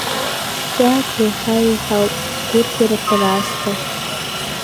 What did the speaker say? Схьаақәа еиҳа еиҳауп, сгәырӷьарақәа раасҭа.